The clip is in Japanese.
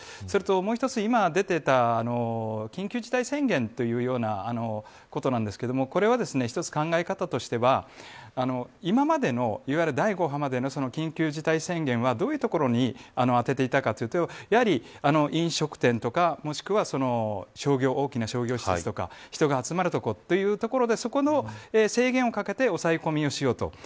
それともう一つ今出ていた緊急事態宣言というようなことなんですがこれは一つ、考え方としては今までの、いわゆる第５波までの緊急事態宣言はどういうところにあてていたかというとやはり、飲食店とかもしくは大きな商業施設とか人が集まる所というところでそこの制限をかけて抑え込みをしようと。